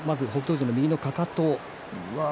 富士の右のかかと。